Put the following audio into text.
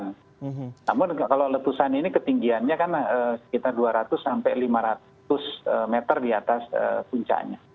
namun kalau letusan ini ketinggiannya kan sekitar dua ratus sampai lima ratus meter di atas puncaknya